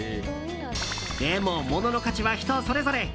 でも、物の価値は人それぞれ。